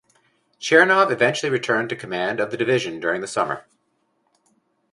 Chernov eventually returned to command of the division during the summer.